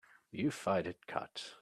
You fight it cut.